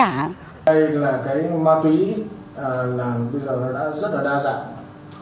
đây là cái ma túy là bây giờ nó đã rất là đa dạng